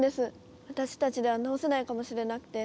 私たちでは直せないかもしれなくて。